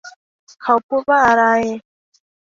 เขาพูดว่าอะไร ?